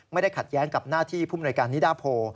ขัดแย้งกับหน้าที่ผู้มนวยการนิดาโพ